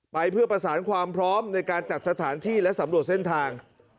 ไปเพื่อประสานความพร้อมในการจัดสถานที่และสำรวจเส้นทาง